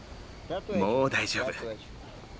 もう大丈夫。